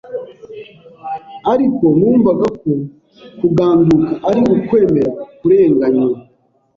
ariko numvaga ko kuganduka ari ukwemera kurenganywa.